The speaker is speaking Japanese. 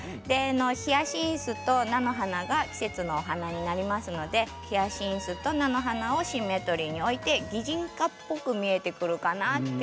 ヒヤシンスと菜の花が季節のお花になりますのでヒヤシンスと菜の花をシンメトリーに置いて擬人化っぽく見えてくるかな。